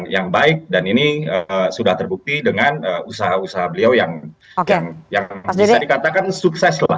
yang baik dan ini sudah terbukti dengan usaha usaha beliau yang bisa dikatakan sukses lah